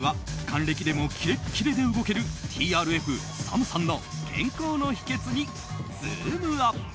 今回は還暦でもキレッキレで動けるＴＲＦ、ＳＡＭさんの健康の秘訣にズームＵＰ！